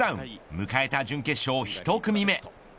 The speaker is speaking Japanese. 迎えた準決勝１組目。